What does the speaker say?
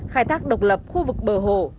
khai thác độc lập khu vực bờ hồ